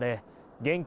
現金